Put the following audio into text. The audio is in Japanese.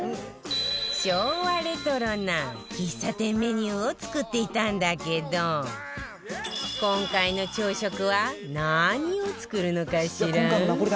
昭和レトロな喫茶店メニューを作っていたんだけど今回の朝食は何を作るのかしら？